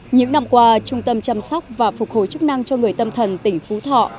những năm qua trung tâm chăm sóc và phục hồi chức năng cho người tâm thần tỉnh phú thọ